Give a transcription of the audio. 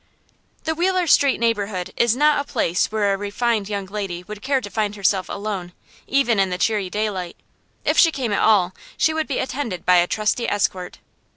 The Wheeler Street neighborhood is not a place where a refined young lady would care to find herself alone, even in the cheery daylight. If she came at all, she would be attended by a trusty escort.